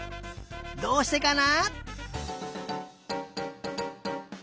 どうしてかな？